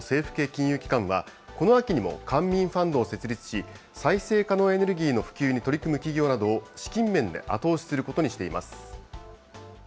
金融機関は、この秋にも官民ファンドを設立し、再生可能エネルギーの普及に取り組む企業などを資金面で後押しすることにしています。